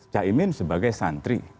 caimin sebagai santri